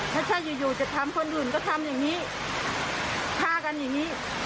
ถ้าใช่อยู่อยู่จะทำคนอื่นก็ทำอย่างนี้ฆ่ากันอย่างนี้